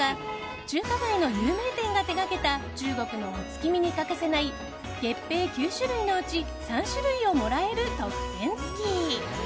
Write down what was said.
中華街の有名店が手掛けた中国のお月見に欠かせない月餅９種類のうち３種類をもらえる特典付き。